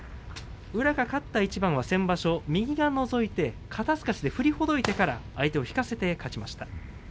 宇良が勝った一番は先場所右がのぞいて肩すかしで振りほどいてから相手を引かせて勝ちました。